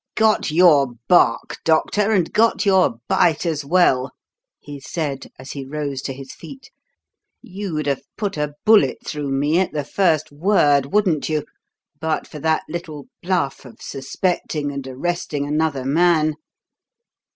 "Got your 'bark,' doctor, and got your 'bite' as well!" he said, as he rose to his feet. "You'd have put a bullet through me at the first word, wouldn't you, but for that little 'bluff' of suspecting and arresting another man?